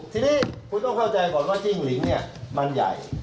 ทีนี้คุณต้องเข้าใจก่อนว่าจิ้งหลิงเนี่ยมันใหญ่